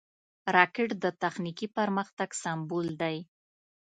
راکټ د تخنیکي پرمختګ سمبول دی